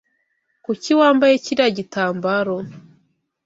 Kuki wambaye kiriya gitambaro?